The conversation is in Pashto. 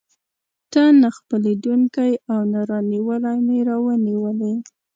ته نه خپلېدونکی او نه رانیولى مې راونیولې.